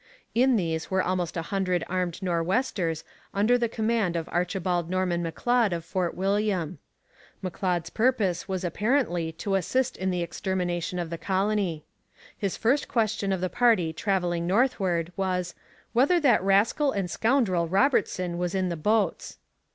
In these were almost a hundred armed Nor'westers under the command of Archibald Norman M'Leod of Fort William. M'Leod's purpose was apparently to assist in the extermination of the colony. His first question of the party travelling northward was 'whether that rascal and scoundrel Robertson was in the boats.'